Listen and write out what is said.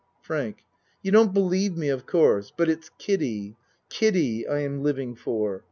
FRANK You don't believe me of course. But, its Kiddie Kiddie I am living for.